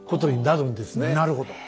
なるほど。